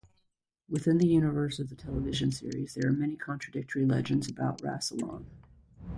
Within the universe of the television series, there are many contradictory legends about Rassilon.